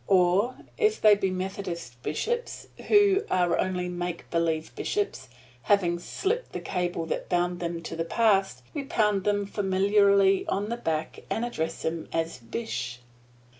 Or if they be Methodist bishops, who are only make believe bishops, having slipped the cable that bound them to the past, we pound them familiarly on the back and address them as "Bish."